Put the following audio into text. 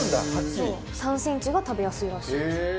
そう３センチが食べやすいらしいです。